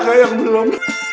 kakek yang belum